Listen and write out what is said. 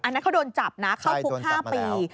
อันนั้นเขาโดนจับนะเข้าคุก๕ปี